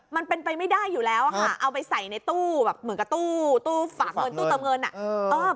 มันเป็นไปไม่ได้อยู่แล้วค่ะเอาไปใส่ในตู้แบบเหมือนกับตู้ฝากเงินตู้เติมเงินอ่ะ